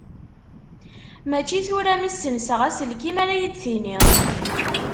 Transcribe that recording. Mačči tura mi ssenseɣ aselkim ara yi-d-tiniḍ.